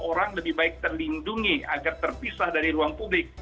orang lebih baik terlindungi agar terpisah dari ruang publik